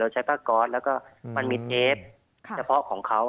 เราใช้ฟ้าก้อนแล้วก็มันมีเทปที่เฉพาะของเขา